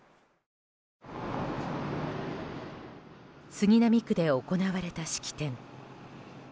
杉並区で行われた式典。